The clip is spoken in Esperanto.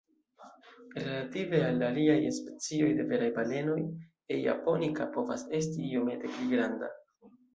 Relative al aliaj specioj de veraj balenoj, "E. japonica" povas esti iomete pli granda.